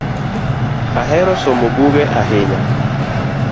Ahero somo buge ahinya